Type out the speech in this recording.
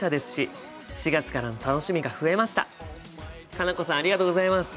佳奈子さんありがとうございます。